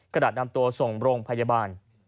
ดาดนำตัวส่งโรงพยาบาล